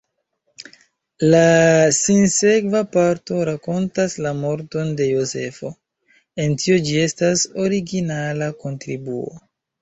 La sinsekva parto rakontas la morton de Jozefo: en tio ĝi estas originala kontribuo.